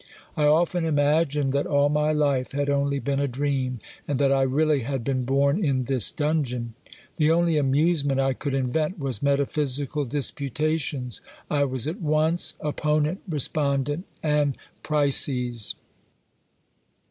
I often imagined that all my life had only been a dream, and that I really had been born in this dungeon! The only amusement I could invent was metaphysical disputations. I was at once opponent, respondent, and præses!"